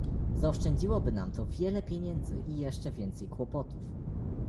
Zaoszczędziłoby nam to wiele pieniędzy i jeszcze więcej kłopotów